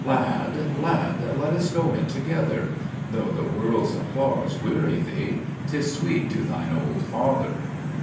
"Lad, lad, let us go in together! Though the world's applause weary thee, 'tis sweet to thine old father."